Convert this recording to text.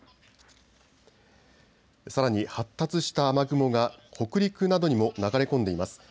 さらに発達した雨雲が北陸などにも流れ込んでいます。